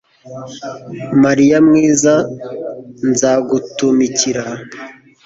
mariya mwiza nzagutumikira